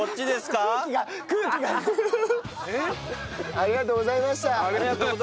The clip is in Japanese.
ありがとうございます。